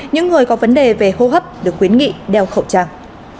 những người có vấn đề về hô hấp được khuyến nghị đeo khẩu trang